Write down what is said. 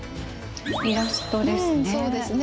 イラストですね。